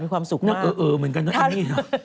ความสุขนะเออเหมือนกันนะเอมมี่